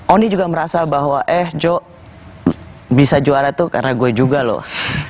oni juga merasa bahwa eh joe bisa juara tuh karena gue juga loh